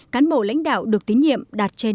cán bộ lãnh đạo được tín nhiệm đạt trên năm mươi